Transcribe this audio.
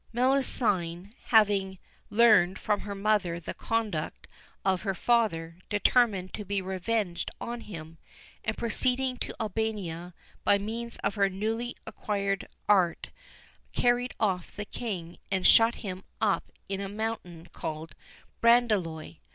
Melusine having learned from her mother the conduct of her father, determined to be revenged on him, and proceeding to Albania, by means of her newly acquired art carried off the King and shut him up in a mountain called Brandelois.